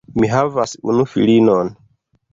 Mi havas unu filinon.